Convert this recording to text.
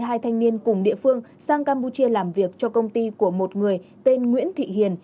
hai thanh niên cùng địa phương sang campuchia làm việc cho công ty của một người tên nguyễn thị hiền